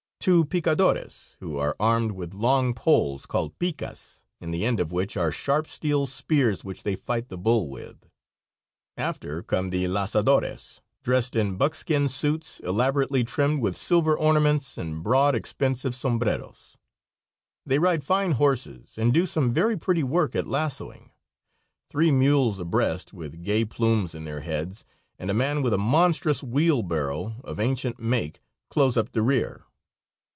Two picadores, who are armed with long poles, called picas, in the end of which are sharp steel spears which they fight the bull with. After come the lazadores, dressed in buckskin suits, elaborately trimmed with silver ornaments and broad, expensive sombreros. They ride fine horses, and do some very pretty work at lassoing. Three mules abreast, with gay plumes in their heads, and a man with a monstrous wheelbarrow of ancient make, close up the rear.